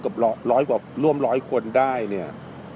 กับรวมร้อยคนได้เนี่ย